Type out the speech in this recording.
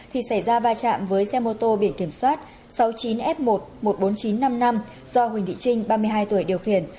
thì xảy ra va chạm với xe mô tô biển kiểm soát sáu mươi chín f một một mươi bốn nghìn chín trăm năm mươi năm do huỳnh thị trinh ba mươi hai tuổi điều khiển